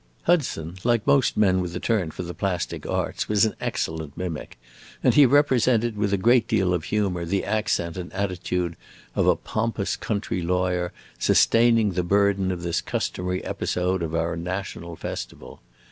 Hudson, like most men with a turn for the plastic arts, was an excellent mimic, and he represented with a great deal of humor the accent and attitude of a pompous country lawyer sustaining the burden of this customary episode of our national festival.